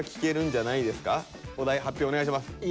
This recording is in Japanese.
お題発表お願いします。